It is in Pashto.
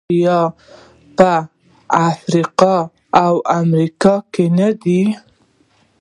آیا په افریقا او امریکا کې نه دي؟